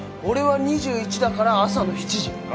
俺は２１だから朝の７時。